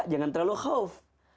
jangan terlalu khawf